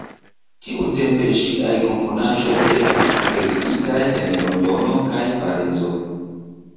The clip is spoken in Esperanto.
Tiutempe ŝiaj komponaĵoj estis premiitaj en Londono kaj Parizo.